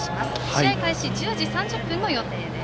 試合開始１０時３０分の予定です。